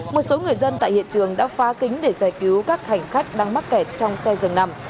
một số người dân tại hiện trường đã phá kính để giải cứu các hành khách đang mắc kẹt trong xe dường nằm